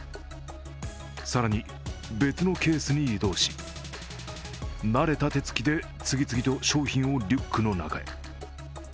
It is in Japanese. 更に別のケースに移動し慣れた手つきで次々と商品をリュックの中へ。